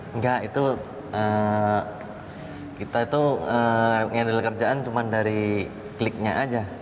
enggak itu kita itu ngedil kerjaan cuma dari kliknya aja